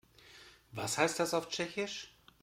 Was heißt das auf Tschechisch?